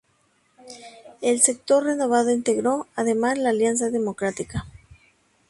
El sector renovado integró, además, la Alianza Democrática.